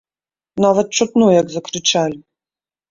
Нават чутно, як закрычалі.